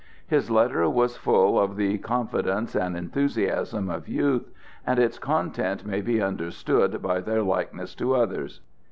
His letter was full of the confidence and enthusiasm of youth, and its contents may be understood by their likeness to others.